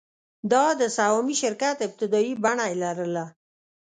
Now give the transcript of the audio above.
دا د سهامي شرکت ابتدايي بڼه یې لرله.